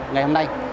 ngày hôm nay